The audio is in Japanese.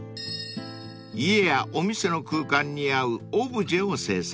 ［家やお店の空間に合うオブジェを制作］